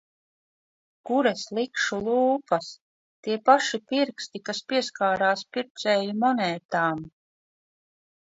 Kur es likšu lūpas, tie paši pirksti, kas pieskarās pircēju monētām...